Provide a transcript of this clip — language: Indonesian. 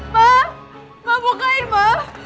ma ma bukain ma